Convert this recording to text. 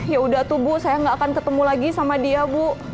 ya udah tuh bu saya nggak akan ketemu lagi sama dia bu